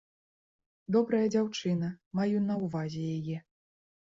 Добрая дзяўчына, маю на ўвазе яе.